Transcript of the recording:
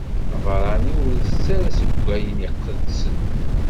Abeṛṛani ur itett ara seg wayen iqedsen.